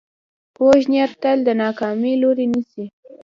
کوږ نیت تل د ناکامۍ لوری نیسي